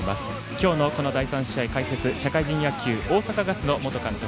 今日の第３試合、解説社会人野球、大阪ガス元監督